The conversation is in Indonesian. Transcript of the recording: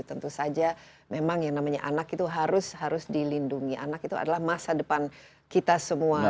tentu saja memang yang namanya anak itu harus dilindungi anak itu adalah masa depan kita semua